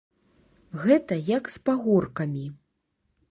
Гэта як з пагоркамі.